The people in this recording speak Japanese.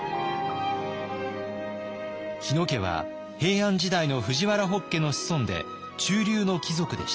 日野家は平安時代の藤原北家の子孫で中流の貴族でした。